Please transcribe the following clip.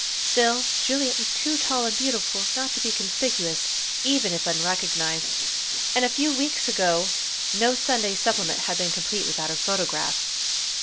Still, Juliet was too tall and beautiful not to be conspicuous even if unrecognized, and a few weeks ago no Sunday Supplement had been complete without her photograph.